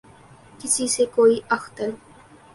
کسی سے کوئی اختل